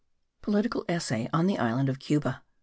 POLITICAL ESSAY ON THE ISLAND OF CUBA.